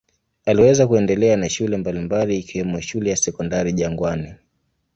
Aliweza kuendelea na shule mbalimbali ikiwemo shule ya Sekondari Jangwani.